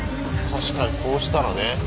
確かにこうしたらね。